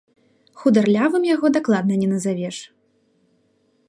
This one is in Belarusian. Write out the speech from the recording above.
Хударлявым яго дакладна не назавеш.